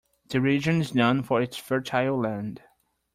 The region is known for its fertile land.